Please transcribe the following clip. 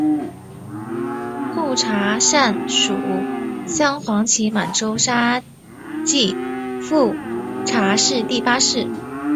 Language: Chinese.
富察善属镶黄旗满洲沙济富察氏第八世。